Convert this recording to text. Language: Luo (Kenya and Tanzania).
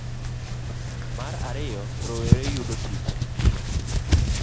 Mar ariyo, rowere yudo tich.